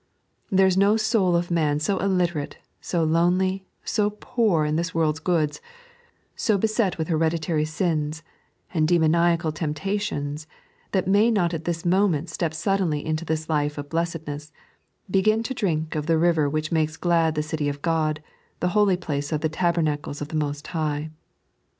There is no soul of man so iUiterate, so lonely, so poor in this world's goods, so beset with hereditary sins and demoniacal temptations, that may not at this moment step suddenly into this life of blessedness, begin to drink of the river which makes glad the city of God, the holy place of the tabernacles of the Most High.